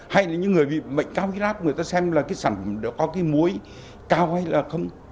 hay là những người bị bệnh cao hydrate người ta xem là cái sản phẩm có cái muối cao hay là không